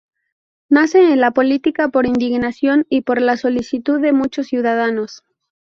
Nace en la política por indignación y por la solicitud de muchos ciudadanos.